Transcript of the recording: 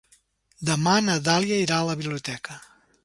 Demà na Dàlia irà a la biblioteca.